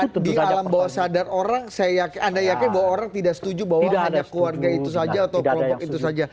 tapi di alam bawah sadar orang anda yakin bahwa orang tidak setuju bahwa ada keluarga itu saja atau kelompok itu saja